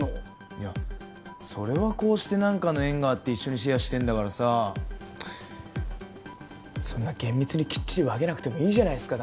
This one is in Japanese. いやそれはこうして何かの縁があって一緒にシェアしてんだからさそんな厳密にきっちり分けなくてもいいじゃないっすか